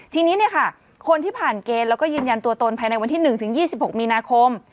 ทีนี้เนี้ยค่ะคนที่ผ่านเกณฑ์แล้วก็ยืนยันตัวตนภายในวันที่หนึ่งถึงยี่สิบหกมีนาคม